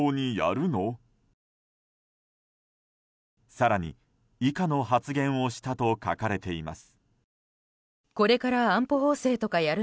更に以下の発言をしたと書かれています。